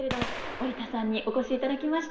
織田さんにお越しいただきました。